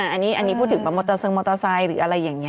อันนี้พูดถึงมอเตอร์ไซค์หรืออะไรอย่างนี้